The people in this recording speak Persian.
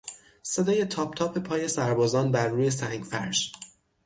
صدای تاپ تاپ پای سربازان بر روی سنگفرش